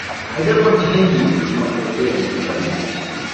I don't want to hinder you from what you are doing at the moment.